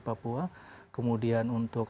papua kemudian untuk